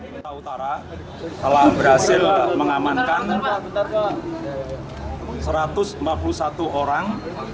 kita utara telah berhasil mengamankan satu ratus empat puluh satu orang